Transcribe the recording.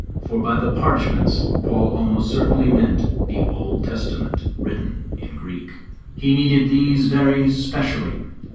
For by the 'parchments' Paul almost certainly meant the Old Testament written in Greek. He needed these very 'specially.'